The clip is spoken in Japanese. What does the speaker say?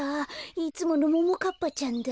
いつものももかっぱちゃんだ。